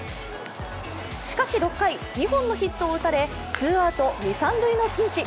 しかし６回、２本のヒットを打たれツーアウト三塁・二塁のピンチ。